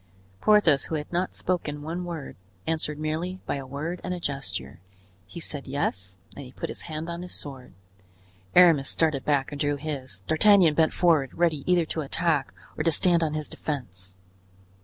Porthos, who had not spoken one word, answered merely by a word and a gesture. He said "yes" and he put his hand on his sword. Aramis started back and drew his. D'Artagnan bent forward, ready either to attack or to stand on his defense.